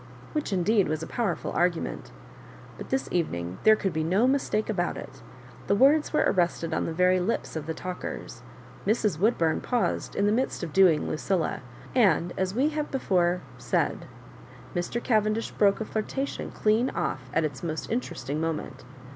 which, indeed, was a powerftil argu ment. But this evening there could be no mistake about it The words were arrested on the very lips of the talkers ; Mrs. Wbodbuni paused in the midst of doing LucUla, and, as we have before said, Mr. Cavendish broke a flirtation clean off at its most interesting moment.